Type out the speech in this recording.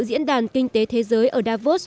diễn đàn kinh tế thế giới ở davos